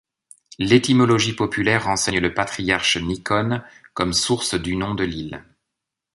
L'étymologie populaire renseigne le patriarche Nikon comme source du nom de l'île.